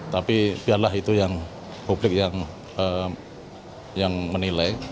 tapi biarlah itu yang publik yang menilai